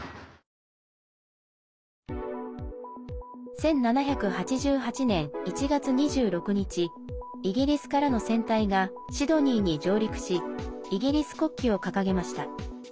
１７８８年１月２６日イギリスからの船隊がシドニーに上陸しイギリス国旗を掲げました。